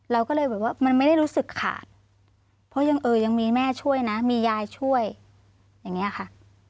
เราก็เลยแบบว่ามันไม่ได้รู้สึกขาดเพราะยังเออยังมีแม่ช่วยนะมียายช่วยอย่างนี้ค่ะ